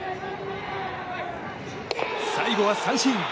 最後は三振。